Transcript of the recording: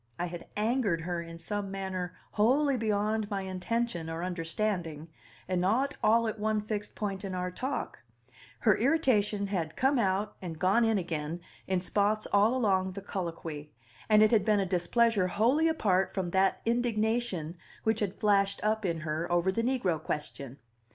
I had angered her in some manner wholly beyond my intention or understanding and not all at one fixed point in our talk; her irritation had come out and gone in again in spots all along the colloquy, and it had been a displeasure wholly apart from that indignation which had flashed up in her over the negro question.